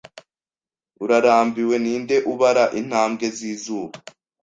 urarambiwe Ninde ubara intambwe zizuba